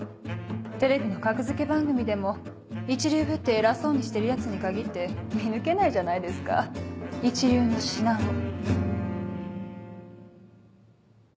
テレビの格付け番組でも一流ぶって偉そうにしてるヤツに限って見抜けないじゃないですか一流の品を。